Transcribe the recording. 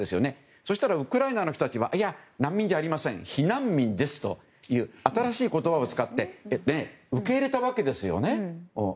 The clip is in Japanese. そしたら、ウクライナの人たちは難民じゃありません避難民ですという新しい言葉を使って受け入れたわけですよね。